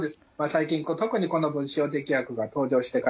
最近特にこの分子標的薬が登場してからですね